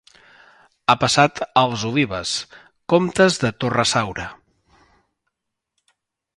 Ha passat als Olives, comtes de Torre Saura.